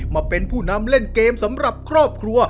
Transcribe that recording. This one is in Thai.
มาเป็นผู้นำเล่นเกมสำหรับครอบครัว